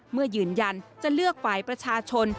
ยืนยันจะเลือกฝ่ายประชาชน